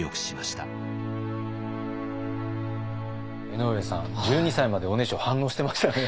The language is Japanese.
江上さん１２歳までおねしょ反応してましたね。